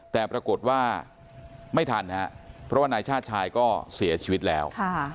แต่ปรากฏว่าไม่ทันฮะเพราะว่านายชาติชายก็เสียชีวิตแล้ว